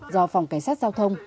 do phòng cảnh sát giao thông